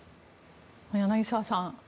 柳澤さん